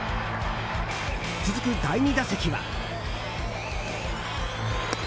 続く第２打席は。